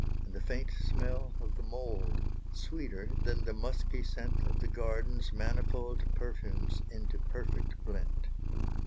And the faint smell of the mould. Sweeter than the musky scent Of the garden's manifold Perfumes into perfect blent.